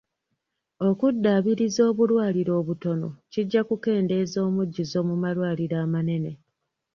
Okuddaabiriza obulwaliro obutono kijja kukendeeza omujjuzo mu malwaliro amanene